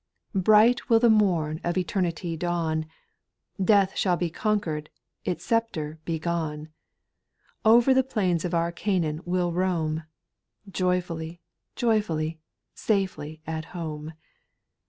Bright will the morn of eternity dawn ; Death shall be conquered, its sceptre be gone ; Over the plains of Qur Canaan we '11 roam, Joyfully, joyfully, safely at home.